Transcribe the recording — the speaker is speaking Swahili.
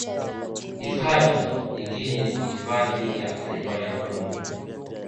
Hifadhi nyingine ni hifadhi ya taifa ya Gombe